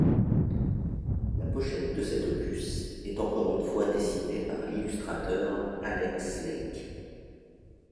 La pochette de cet opus est encore une fois dessinée par l'illustrateur Alex Lake.